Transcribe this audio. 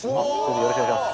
よろしくお願いします。